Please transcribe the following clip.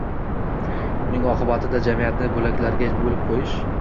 buning oqibatida jamiyatni bo‘laklarga bo‘lib qo‘yish